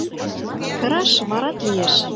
— Кыраш варат лиеш.